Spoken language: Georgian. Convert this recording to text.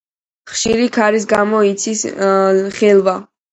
ხშირი ქარის გამო იცის ღელვა.